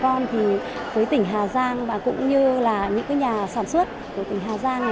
vì vậy thì với tỉnh hà giang và cũng như là những nhà sản xuất của tỉnh hà giang